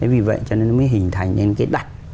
vì vậy cho nên nó mới hình thành nên cái đặt